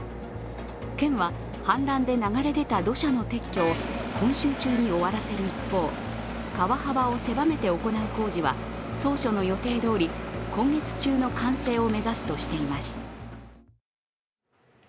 県は氾濫で流れ出た土砂の撤去を今週中に終わらせる一方、川幅を狭めて行う工事は当初の予定どおり今月中の完成を目指すとしています。